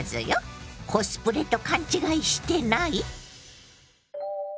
コスプレと勘違いしてない？